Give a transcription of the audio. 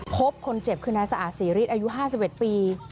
พบคนเจ็บคืนายสะอาดซีรีสอายุ๕๑ปี